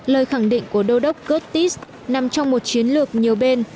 lời khẳng định của đô đốc cớt tít nằm trong một chiến lược nhiều bên